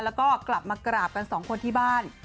แล้วก็กลับมากราบกันสองคนที่บ้าน